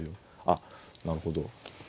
あっなるほど。